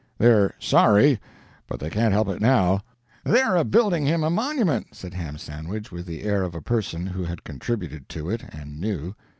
They're sorry, but they can't help it now." "They're a building him a monument," said Ham Sandwich, with the air of a person who had contributed to it, and knew.